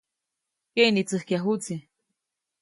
Keʼnitsäjkyajuʼtsi.